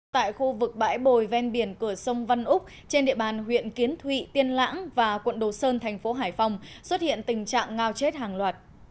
tại khu vực bãi bồi ven biển cửa sông văn úc trên địa bàn huyện kiến thụy tiên lãng và quận đồ sơn thành phố hải phòng xuất hiện tình trạng ngao chết hàng loạt